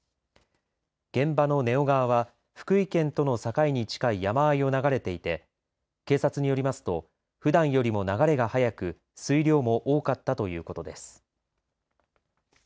現場の根尾川は福井県と境に近い山あいを流れていて警察によりますとふだんよりも流れが速く水量も多かったということです。